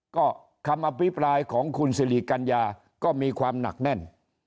ก็คำอภิปรายของคุณสิริกัญญาก็มีความหนักแน่น